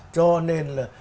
cho nên là